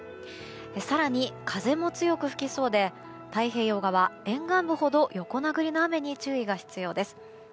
更に、風も強く吹きそうで太平洋側、沿岸部ほど横殴りの雨に注意が必要です。